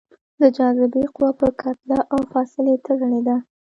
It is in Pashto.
د جاذبې قوه په کتله او فاصلې تړلې ده.